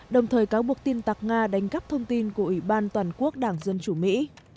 đồng thời cáo buộc tin tạc nga đánh cắp thông tin của ủy ban toàn quốc đảng dân chủ mỹ